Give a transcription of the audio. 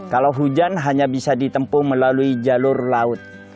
kalau hujan hanya bisa ditempuh melalui jalur laut